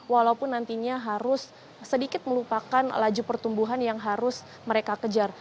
walaupun nantinya harus sedikit melupakan laju pertumbuhan yang harus mereka kejar